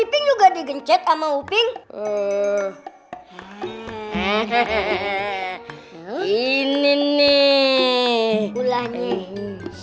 pake dilempar kepalaku sih dong